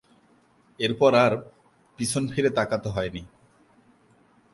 এরপর আর পিছন ফিরে তাকাতে হয়নি।